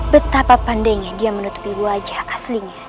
betapa pandainya dia menutupi wajah aslinya